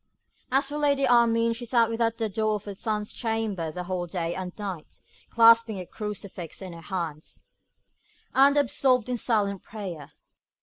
As for Lady Armine, she sat without the door of her son's chamber the whole day and night, clasping a crucifix in her hands, and absorbed in silent prayer.